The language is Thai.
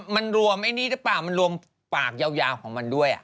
มันรวมปากยาวของมันด้วย